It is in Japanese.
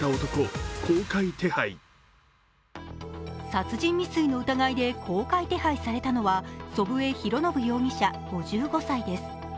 殺人未遂の疑いで公開手配されたのは祖父江博伸容疑者５５歳です。